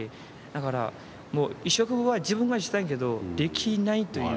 だから、もう移植は自分がしたいけどできないっていう。